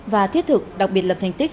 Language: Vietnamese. và thiết thực đặc biệt lập thành tích